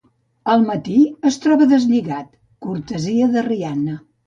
Al matí, es troba deslligat, cortesia de Rianna.